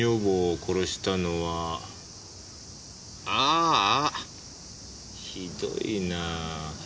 ああひどいなぁ。